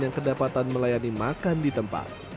yang kedapatan melayani makan di tempat